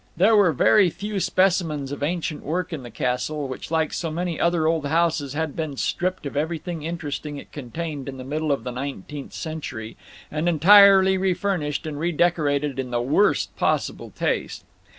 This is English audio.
There were very few specimens of ancient work in the castle, which like so many other old houses had been stripped of everything interesting it contained in the middle of the nineteenth century, and entirely refurnished and redecorated in the worst possible taste.